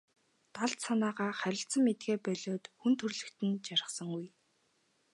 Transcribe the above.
Далд санаагаа харилцан мэдэхээ болиод хүн төрөлхтөн жаргасангүй.